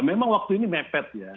memang waktu ini mepet ya